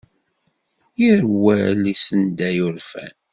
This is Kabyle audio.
Yir wal issenday urfan.